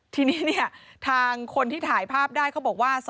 ทีนี้ทางคนที่ถ่ายภาพได้เขาบอกว่า